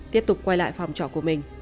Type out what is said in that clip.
tiếp tục quay lại phòng trọ của mình